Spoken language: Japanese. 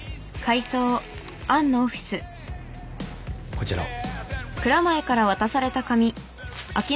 こちらを